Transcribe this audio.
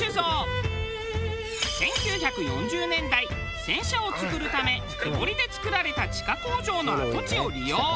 １９４０年代戦車を作るため手掘りで作られた地下工場の跡地を利用。